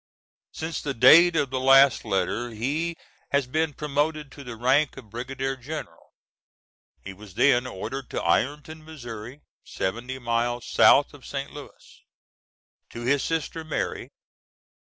Since the date of the last letter he has been promoted to the rank of brigadier general. He was then ordered to Ironton, Mo., seventy miles south of St. Louis. To his sister Mary.